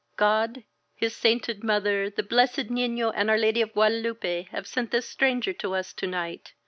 "God, his sainted Mother, the Blessed Nifio and Our Lady of Guadelupe have sent this stranger to us to night!